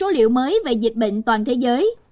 điều mới về dịch bệnh toàn thế giới